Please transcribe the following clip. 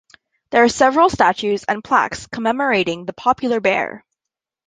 There are several statues and plaques commemorating the popular bear.